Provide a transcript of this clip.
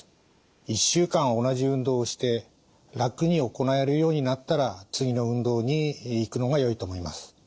１週間同じ運動をして楽に行えるようになったら次の運動にいくのがよいと思います。